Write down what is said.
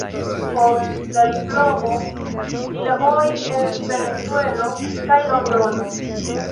Post la diplomo li laboris en Venezuelo kaj Londono.